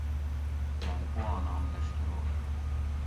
گان پوآں نام لشکروٹ